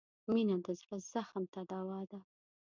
• مینه د زړه زخم ته دوا ده.